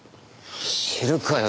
知るかよ